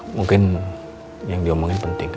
mungkin yang diomongin penting